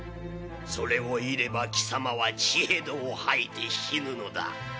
それを射れば貴様は血へどを吐いて死ぬのだ！